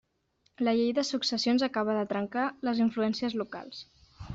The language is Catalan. La llei de successions acabà de trencar les influències locals.